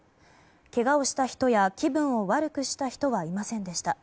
けがをした人や気分を悪くした人はいませんでした。